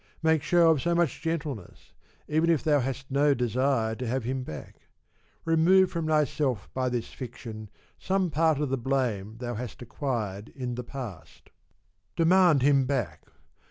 Make show of so much gentleness, even if thou hast no desire to have him back. Remove from thyself by this fiction some part of the blame thou hast acquired in the past. Demand him back.